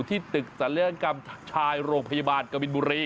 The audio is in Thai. ที่ตึกศัลยกรรมชายโรงพยาบาลกบินบุรี